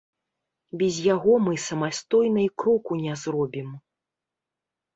Без яго мы самастойна і кроку не зробім.